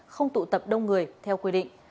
không tụ tập đông người theo quy định